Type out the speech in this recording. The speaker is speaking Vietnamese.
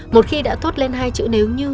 một khi đã thốt lên hai chữ nếu như